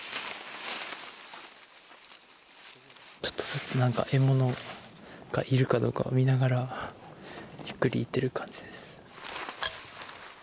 ちょっとずつ何か獲物がいるかどうかを見ながらゆっくり行ってる感じです。